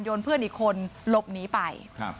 เพื่อนอีกคนหลบหนีไป